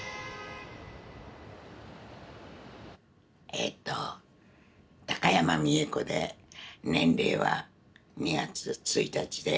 えっと高山美恵子で年齢は２月１日で８１歳。